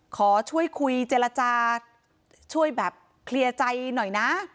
ขอช่วยคุยเจรจาช่วยแบบเคลียร์ใจหน่อยนะ